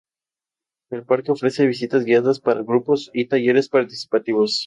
Los nuevos concursos se inspiraban en los de Olimpia.